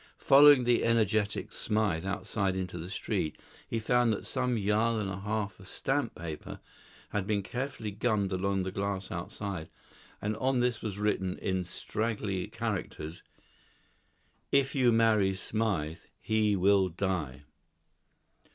Following the energetic Smythe outside into the street, he found that some yard and a half of stamp paper had been carefully gummed along the glass outside, and on this was written in straggly characters, "If you marry Smythe, he will die."